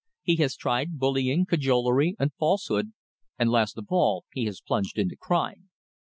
He has tried bullying, cajolery, and false hood, and last of all he has plunged into crime.